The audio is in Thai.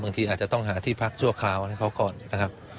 ทีอาจจะต้องหาที่พักชั่วคราวให้เขาก่อนนะครับ